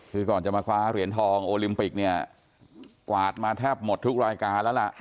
คือก่อนจะมาคว้าเหรียญทองโอลิมปิกเนี่ยกวาดมาแทบหมดทุกรายการแล้วล่ะ